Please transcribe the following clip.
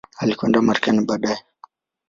Alikwenda Marekani baadaye.